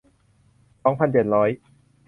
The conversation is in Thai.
สองพันเจ็ดร้อย